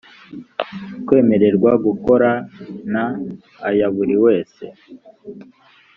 kwemererwa gukora n aya buri wese